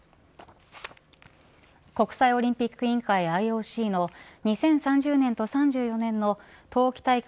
国際オリンピック委員会＝ＩＯＣの２０３０年と３４年の冬季大会